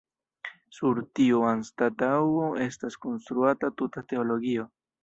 Sur tiu anstataŭo estas konstruata tuta teologio.